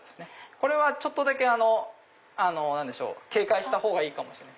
これはちょっとだけ警戒したほうがいいかもしれない。